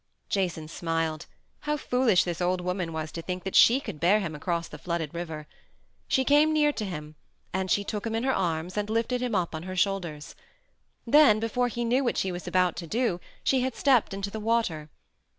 Jason smiled. How foolish this old woman was to think that she could bear him across the flooded river! She came near him and she took him in her arms and lifted him up on her shoulders. Then, before he knew what she was about to do, she had stepped into the water.